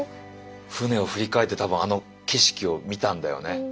船を振り返って多分あの景色を見たんだよね。